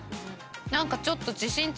何かちょっと。